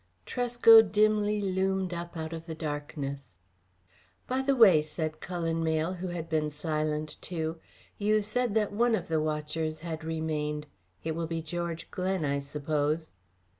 Tresco dimly loomed up out of the darkness. "By the way," said Cullen Mayle, who had been silent too, "you said that one of the watchers had remained. It will be George Glen, I suppose."